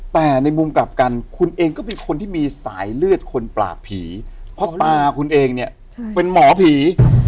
แต่ในมุมกลับกันคุณเองก็เป็นคนที่มีสายเลือดคนปราบผีเพราะตาคุณเองเนี่ยเป็นหมอผี